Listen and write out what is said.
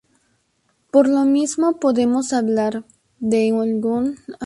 Por lo mismo podemos hablar de algún modo de su preexistencia.